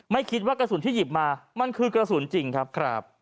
ไม่คิดว่ากระสุนที่หยิบมามันคือกระสุนจริงครับ